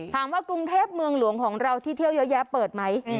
กรุงเทพเมืองหลวงของเราที่เที่ยวเยอะแยะเปิดไหม